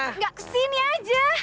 enggak kesini aja